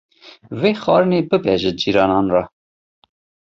Vê xwarinê bibe ji cîranan re.